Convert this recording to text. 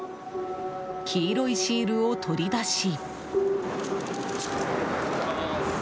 黄色いシールを取り出し。